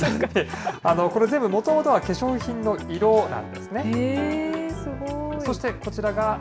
これ、全部もともとは化粧品の色すごい。